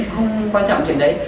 không quan trọng chuyện đấy